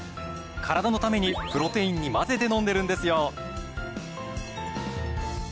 カラダのためにプロテインに混ぜて飲んでるんですよ。